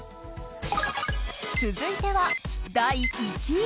続いては第１位。